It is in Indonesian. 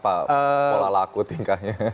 pola laku tingkahnya